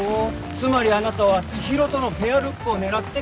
つまりあなたは知博とのペアルックを狙って買ったと。